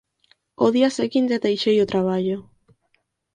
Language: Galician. Ó día seguinte deixei o traballo.